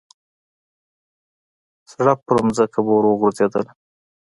سړپ پرځمکه به ور وغورځېدله.